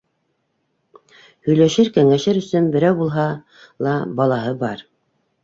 Һөйләшер- кәңәшер өсөн берәү булһа ла балаһы бар.